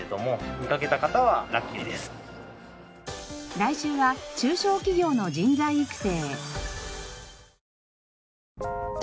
来週は中小企業の人材育成。